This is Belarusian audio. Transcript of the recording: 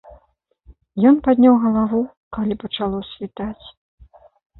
Ён падняў галаву, калі пачало світаць.